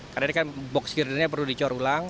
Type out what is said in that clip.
karena ini kan box girirnya perlu dicor ulang